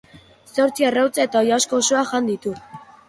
Zortzi arrautza eta oilasko osoa jan ditu.